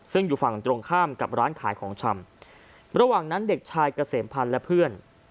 ซึ่งอยู่ฝั่งตรงข้ามกับร้านขายของชำระหว่างนั้นเด็กชายเกษมพันธ์และเพื่อน